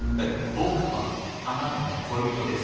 「僕はあなたの恋人です」。